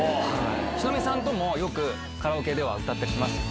仁美さんともよくカラオケでは歌ったりしますよ。